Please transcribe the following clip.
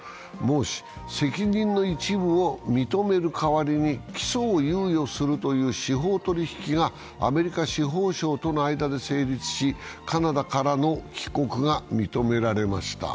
孟氏は責任の一部を認める代わりに、起訴を猶予するという司法取引がアメリカ司法省との間で成立しカナダからの帰国が認められました。